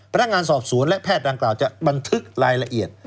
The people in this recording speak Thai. พนักงานสอบสวนและแพทย์ดังกล่าวจะบันทึกรายละเอียด